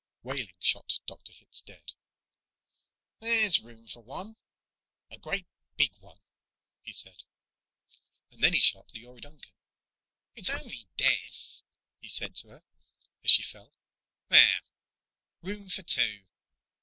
Wehling shot Dr. Hitz dead. "There's room for one a great big one," he said. And then he shot Leora Duncan. "It's only death," he said to her as she fell. "There! Room for two."